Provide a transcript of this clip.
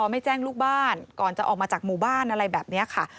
ไม่แจ้งลูกบ้านก่อนจะออกมาจากหมู่บ้านอะไรแบบนี้ค่ะ